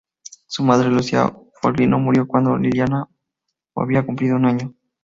Su madre, Lucia Foligno, murió cuándo Liliana o había cumplido un año.